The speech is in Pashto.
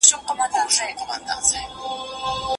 هغوی د نجلۍ د کورني ژوند څخه کافي معلومات نه لرل.